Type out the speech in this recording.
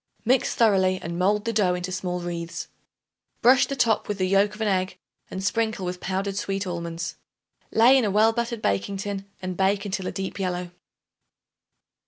Mix thoroughly and mold the dough into small wreaths; brush the top with the yolk of an egg and sprinkle with powdered sweet almonds. Lay in a well buttered baking tin and bake until a deep yellow.